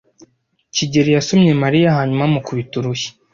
kigeli yasomye Mariya hanyuma amukubita urushyi.